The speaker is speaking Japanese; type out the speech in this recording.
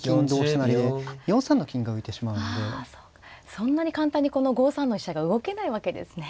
そんなに簡単にこの５三の飛車が動けないわけですね。